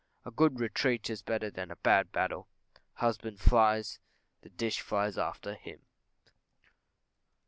A good retreat is better than a bad battle. (_Husband flies, the dish flies after him.